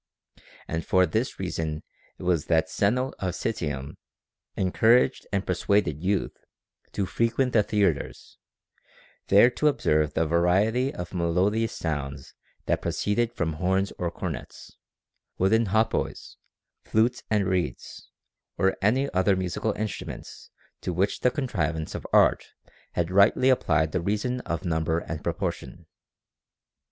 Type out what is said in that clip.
And for this reason it was that Zeno of Citium encouraged and persuaded youth to frequent the theatres, there to observe the variety of melodious sounds that proceeded from horns or cornets, wooden hautboys, flutes and reeds, or any other musical instruments to which the contrivance of art had rightly applied the reason of number and proportion.